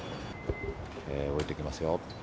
降りてきますよ。